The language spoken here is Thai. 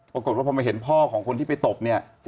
ปรากฏว่าพอมาเห็นพ่อของคนที่ไปตบเนี่ย